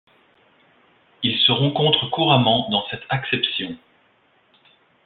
Il se rencontre couramment dans cette acception.